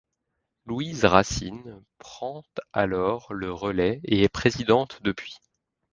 Louise Racine prend alors le relais et est présidente depuis.